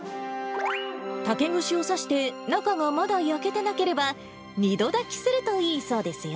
竹ぐしを刺して、中がまだ焼けてなければ、二度炊きするといいそうですよ。